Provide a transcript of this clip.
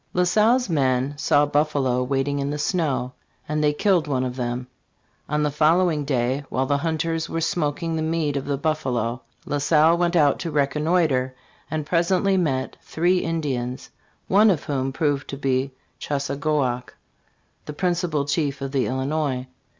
La Salle's men "saw buffalo wading in the snow, afld they killed one of them."* On the follow ing day, while the hunters were smoking the meat of the buffalo, La Salle went out to reconnoiter, .and presently met three Indians, one of whom proved to be Chassagoac, the principal chief of the Illinois.